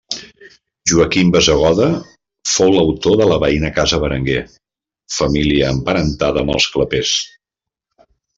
Joaquim Bassegoda fou l'autor de la veïna Casa Berenguer, família emparentada amb els Clapés.